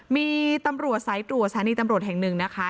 มีตำรวจสายตรวจสถานีตำรวจแห่งหนึ่งนะคะ